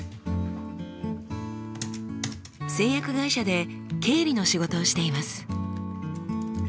製薬会社で経理の仕事をしています。